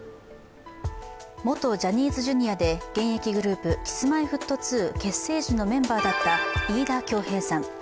元ジャニーズＪｒ．で現役グループＫｉｓ−Ｍｙ−Ｆｔ２結成時のメンバーだった飯田恭平さん。